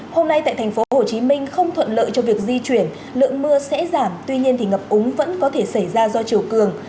hôm nay tại thành phố hồ chí minh không thuận lợi cho việc di chuyển lượng mưa sẽ giảm tuy nhiên thì ngập úng vẫn có thể xảy ra do chiều cường